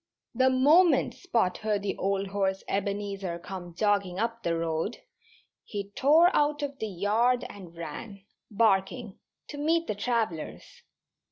The moment Spot heard the old horse Ebenezer come jogging up the road he tore out of the yard and ran, barking, to meet the travellers.